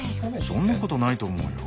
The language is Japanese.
そんなことないと思うよ。